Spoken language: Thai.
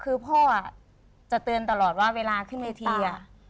คือพ่อจะเตือนตลอดว่าเวลาขึ้นเวที